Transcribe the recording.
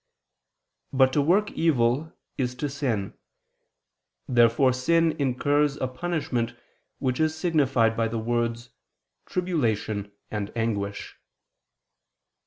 But to work evil is to sin. Therefore sin incurs a punishment which is signified by the words "tribulation and anguish."